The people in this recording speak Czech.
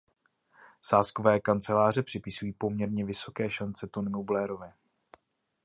Sázkové kanceláře připisují poměrně vysoké šance Tonymu Blairovi.